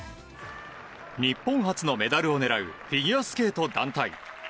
日本初のメダルを狙うフィギュアスケート団体。